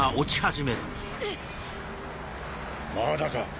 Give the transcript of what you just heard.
まだか。